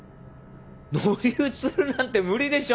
乗り移るなんて無理でしょ